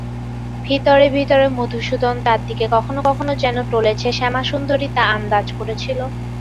ভিতরে ভিতরে মধুসূদন তার দিকে কখনো কখনো যেন টলেছে, শ্যামাসুন্দরী তা আন্দাজ করেছিল।